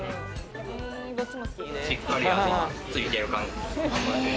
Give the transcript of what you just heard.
しっかり味がついている感じ。